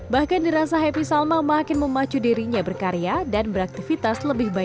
bahkan dirasa happy salma makin memacu dirinya berkarya dan beraktivitas lebih baik